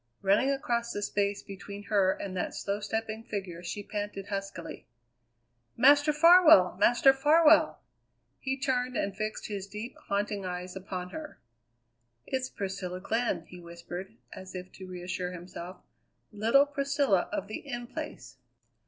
Running across the space between her and that slow stepping figure she panted huskily: "Master Farwell! Master Farwell!" He turned and fixed his deep, haunting eyes upon her. "It's Priscilla Glenn!" he whispered, as if to reassure himself; "little Priscilla of the In Place."